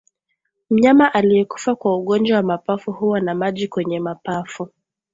Mnyama aliyekufa kwa ugonjwa wa mapafu huwa na maji kwenye mapafu